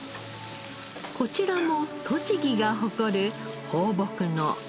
こちらも栃木が誇る放牧の黒毛和牛。